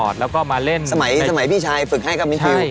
สมัยพี่ชายปฐึกให้กับมิดฟิว